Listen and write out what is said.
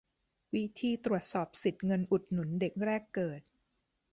วิธีตรวจสอบสิทธิ์เงินอุดหนุนเด็กแรกเกิด